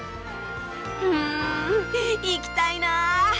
うん行きたいな！